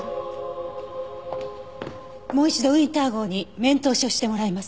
もう一度ウィンター号に面通しをしてもらいます。